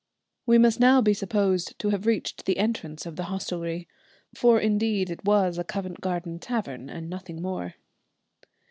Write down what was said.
We must now be supposed to have reached the entrance of the hostelry, for indeed it was a Covent Garden tavern and nothing more.